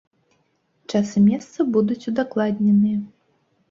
Час і месца будуць удакладненыя.